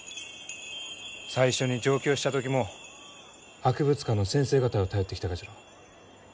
最初に上京した時も博物館の先生方を頼ってきたがじゃろう？